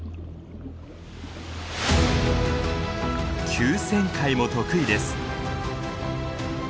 急旋回も得意です。